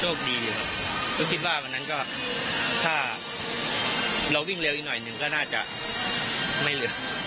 อยู่ครับก็คิดว่าวันนั้นก็ถ้าเราวิ่งเร็วอีกหน่อยหนึ่งก็น่าจะไม่เหลือ